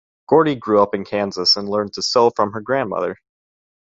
Gordy grew up in Kansas and learned to sew from her grandmother.